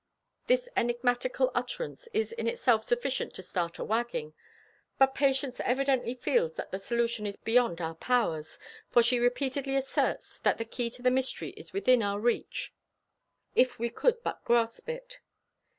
This enigmatical utterance is in itself sufficient to start a "wagging," but Patience evidently feels that the solution is beyond our powers: for she repeatedly asserts that the key to the mystery is within our reach if we could but grasp it.